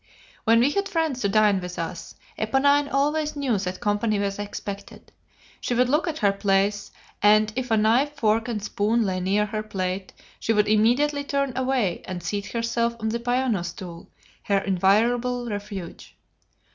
When we had friends to dine with us, Eponine always knew that company was expected. She would look at her place, and if a knife, fork, and spoon lay near her plate she would immediately turn away and seat herself on the piano stool, her invariable refuge.